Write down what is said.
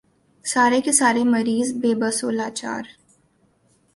سارے کے سارے مریض بے بس و لاچار۔